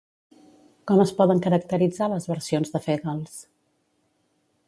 Com es poden caracteritzar les versions de Fagles?